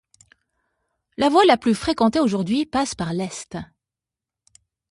La voie la plus fréquentée aujourd'hui passe par l'est.